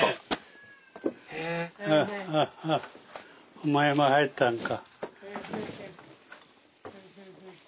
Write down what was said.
お前も入ったんか。